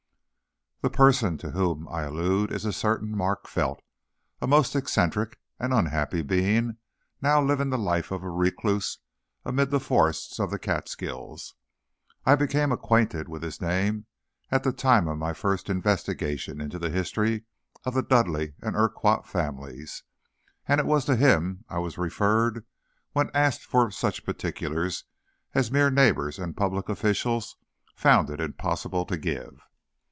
The person to whom I allude is a certain Mark Felt, a most eccentric and unhappy being now living the life of a recluse amid the forests of the Catskills. I became acquainted with his name at the time of my first investigation into the history of the Dudleigh and Urquhart families, and it was to him I was referred when I asked for such particulars as mere neighbors and public officials found it impossible to give.